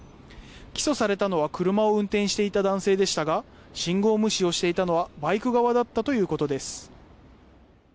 起訴されたのは車を運転していた男性でしたが信号無視をしていたのはバイク側だったということです。